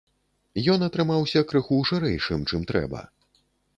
Ён атрымаўся крыху шырэйшым, чым трэба.